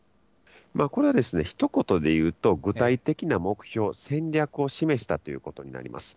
これはひと言で言うと、具体的な目標、戦略を示したということになります。